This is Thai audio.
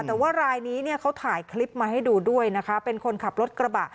แต่ว่ารายนี้เนี่ยเขาถ่ายคลิปมาให้ดูด้วยนะคะเป็นคนขับรถกระบะ